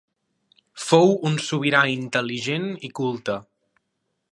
Fou un sobirà intel·ligent i culte.